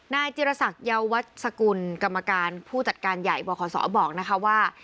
นายจิรษักเยาวัชกุลกรรมการผู้จัดการใหญ่บขศบอกนะคะว่า